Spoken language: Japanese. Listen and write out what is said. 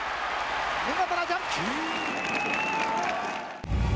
見事なジャンプ。